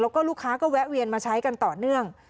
แล้วก็ลูกค้าก็แวะเวียนมาใช้กันต่อเนื่อง